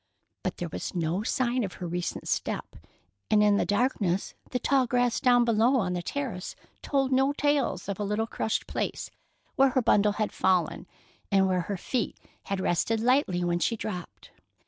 But there was no sign of her recent step, and in the darkness the tall grass down below on the terrace told no tales of a little crushed place where her bundle had fallen and where her feet had rested lightly when she dropped.